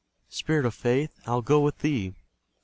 Spirit of Faith, I'll go with thee!